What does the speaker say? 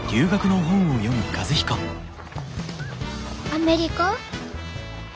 「アメリカ」？